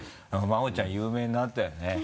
真央ちゃん有名になったよね。